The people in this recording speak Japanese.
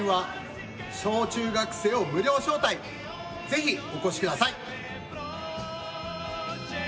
ぜひお越しください。